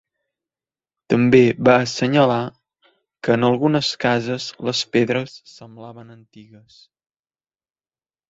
També va assenyalar que en algunes cases les pedres semblaven antigues.